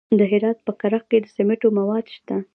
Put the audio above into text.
د هرات په کرخ کې د سمنټو مواد شته.